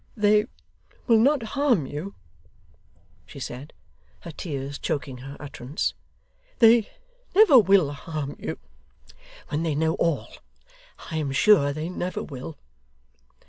'They will not harm you,' she said, her tears choking her utterance. 'They never will harm you, when they know all. I am sure they never will.